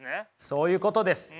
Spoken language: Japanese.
そういうことです。